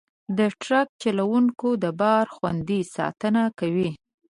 د ټرک چلوونکي د بار خوندي ساتنه کوي.